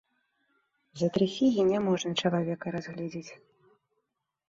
За тры сігі няможна чалавека разгледзець.